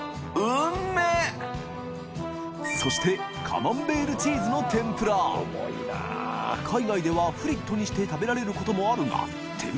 カマンベールチーズの天ぷら祿こ阿任フリットにして食べられることもあるが靴廚